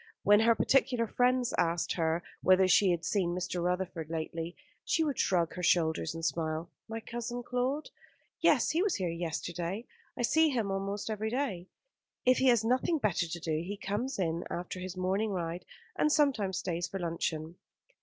When her particular friends asked her whether she had seen Mr. Rutherford lately, she would shrug her shoulders and smile. "My cousin Claude? Yes, he was here yesterday. I see him almost every day. If he has nothing better to do he comes in after his morning ride, and sometimes stays for luncheon."